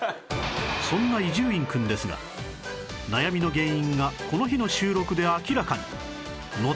そんな伊集院くんですが悩みの原因がこの日の収録で明らかに